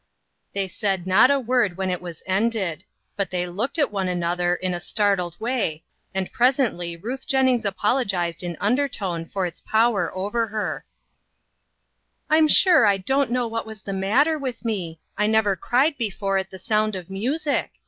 They said not a word when it was ended, but they looked at one another in a startled way, and presently Ruth Jennings apologized in under tone for its power over her: " I'm sure I don't know what was the matter with me. I never cried before at the sound of music.